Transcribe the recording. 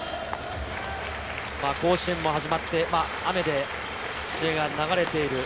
甲子園も始まって雨で試合が流れている。